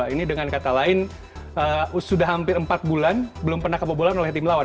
ini dengan kata lain sudah hampir empat bulan belum pernah kebobolan oleh tim lawan